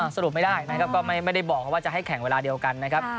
สรุปไม่ได้นะครับก็ไม่ได้บอกว่าจะให้แข่งเวลาเดียวกันนะครับ